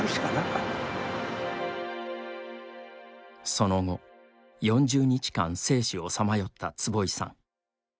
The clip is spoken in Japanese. その後、４０日間生死をさまよった坪井さん。